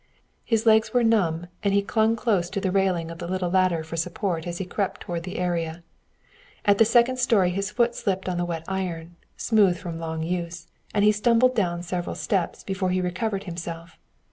His legs were numb and he clung close to the railing of the little ladder for support as he crept toward the area. At the second story his foot slipped on the wet iron, smooth from long use, and he stumbled down several steps before he recovered himself.